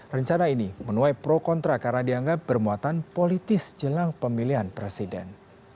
rencana ini menuai pro kontra karena dianggap bermuatan politis jelang pemilihan presiden